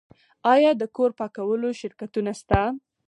آیا د کور پاکولو شرکتونه شته؟